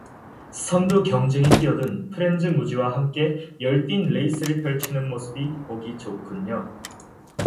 선두 경쟁에 끼어든 프렌즈 무지와 함께 열띤 레이스를 펼치는 모습이 보기 좋군요.